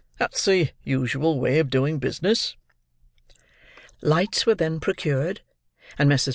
That's the usual way of doing business." Lights were then procured; and Messrs.